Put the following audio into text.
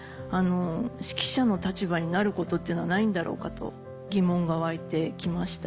指揮者の立場になることっていうのはないんだろうかと疑問が湧いてきました。